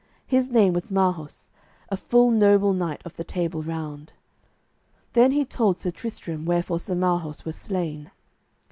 His name was Marhaus, a full noble knight of the Table Round." Then he told Sir Tristram wherefore Sir Marhaus was slain.